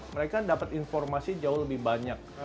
mereka dapat informasi jauh lebih banyak